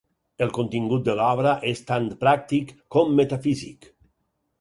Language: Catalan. El contingut de l'obra és tant pràctic com metafísic.